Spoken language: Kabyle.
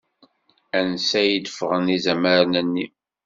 Ansa i d-ffɣen izamaren-nni?